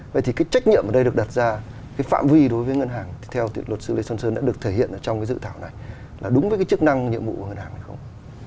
vậy thì cái trách nhiệm ở đây được đặt ra cái phạm vi đối với ngân hàng thì theo luật sư lê xuân sơn đã được thể hiện ở trong cái dự thảo này là đúng với cái chức năng nhiệm vụ của ngân hàng hay không